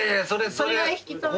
それが引き止めること。